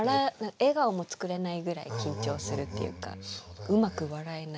笑顔も作れないぐらい緊張するっていうかうまく笑えない。